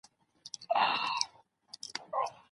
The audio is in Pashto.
د هېواد بهرنی سياست پر پياوړې ډيپلوماسۍ ولاړ دی.